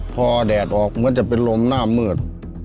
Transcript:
พอแดดออกเหมือนจะเป็นลมหน้ามืด